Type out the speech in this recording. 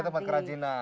ke tempat kerajinan